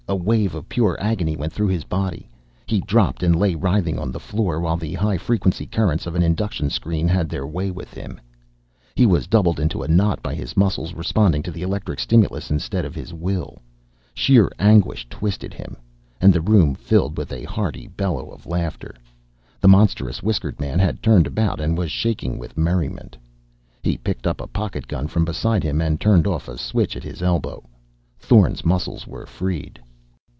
A wave of pure agony went through his body. He dropped and lay writhing on the floor, while the high frequency currents of an induction screen had their way with him. He was doubled into a knot by his muscles responding to the electric stimulus instead of his will. Sheer anguish twisted him. And the room filled with a hearty bellow of laughter. The monstrous whiskered man had turned about and was shaking with merriment. He picked up a pocket gun from beside him and turned off a switch at his elbow. Thorn's muscles were freed.